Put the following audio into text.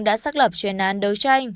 đã xác lập chuyên án đấu tranh